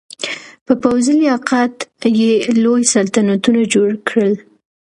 په پوځي لیاقت یې لوی سلطنتونه جوړ کړل.